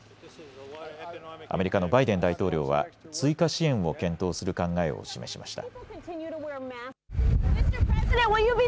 アメリカのバイデン大統領は追加支援を検討する考えを示しました。